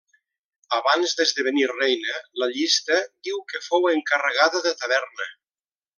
Abans d'esdevenir reina, la llista diu que fou encarregada de taverna.